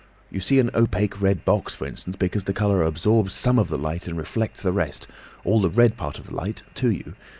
You see an opaque red box, for instance, because the colour absorbs some of the light and reflects the rest, all the red part of the light, to you.